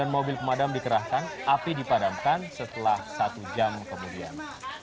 sembilan mobil pemadam dikerahkan api dipadamkan setelah satu jam kemudian